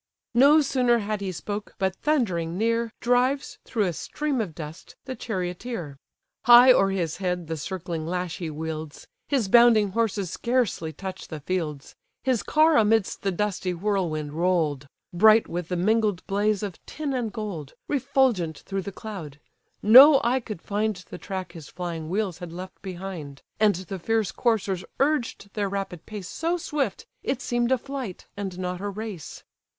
No sooner had he spoke, but thundering near, Drives, through a stream of dust, the charioteer. High o'er his head the circling lash he wields: His bounding horses scarcely touch the fields: His car amidst the dusty whirlwind roll'd, Bright with the mingled blaze of tin and gold, Refulgent through the cloud: no eye could find The track his flying wheels had left behind: And the fierce coursers urged their rapid pace So swift, it seem'd a flight, and not a race.